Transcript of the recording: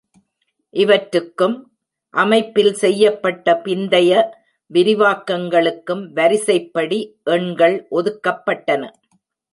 இவற்றுக்கும், அமைப்பில் செய்யப்பட்ட பிந்தைய விரிவாக்கங்களுக்கும் வரிசைப்படி எண்கள் ஒதுக்கப்பட்டன.